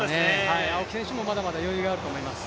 青木選手もまだまだ余裕があると思います。